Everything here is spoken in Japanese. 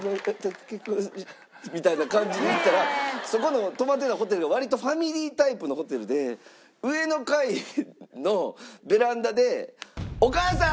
「結婚」みたいな感じで言ったらそこの泊まってたホテルが割とファミリータイプのホテルで上の階のベランダで「お母さーん！